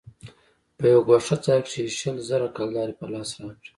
په يوه گوښه ځاى کښې يې شل زره کلدارې په لاس راکړې.